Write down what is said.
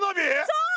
そう！